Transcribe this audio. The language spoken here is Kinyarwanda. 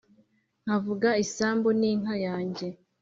Nkavuga isambu n'inka yanjye